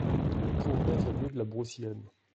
trente-neuf avenue de la Broussillonne